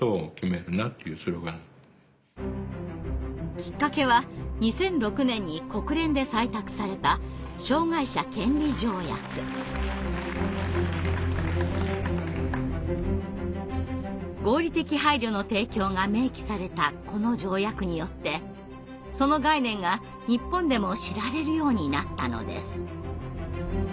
きっかけは２００６年に国連で採択された合理的配慮の提供が明記されたこの条約によってその概念が日本でも知られるようになったのです。